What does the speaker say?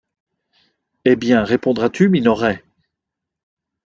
Eh! bien, répondras-tu, Minoret?